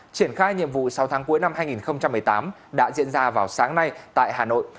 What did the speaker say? triển khai nhiệm vụ sáu tháng cuối năm hai nghìn một mươi tám đã diễn ra vào sáng nay tại hà nội